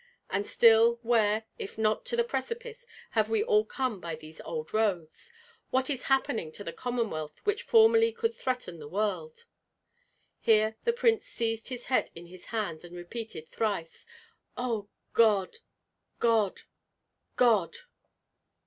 And still, where, if not to the precipice, have we all come by these old roads? What is happening to the Commonwealth which formerly could threaten the world?" Here the prince seized his head in his hands and repeated thrice: "O God! God! God!"